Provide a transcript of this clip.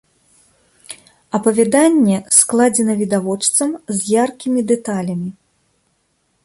Апавяданне складзена відавочцам з яркімі дэталямі.